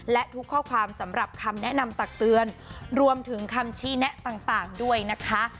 และทุกข้อความสำหรับคำแนะนำตักเตือนรวมถึงคำชี้แนะต่างด้วยนะคะ